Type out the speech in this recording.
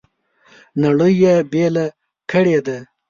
نړۍ یې بېله کړې ده.